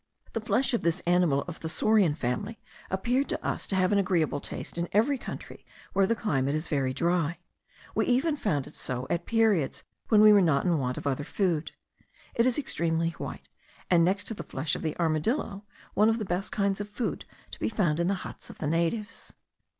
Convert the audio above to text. The flesh of this animal of the saurian family appeared to us to have an agreeable taste in every country where the climate is very dry; we even found it so at periods when we were not in want of other food. It is extremely white, and next to the flesh of the armadillo, one of the best kinds of food to be found in the huts of the natives.